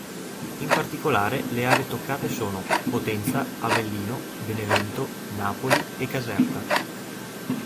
In particolare le aree toccate sono: Potenza, Avellino, Benevento, Napoli e Caserta.